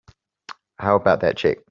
How about that check?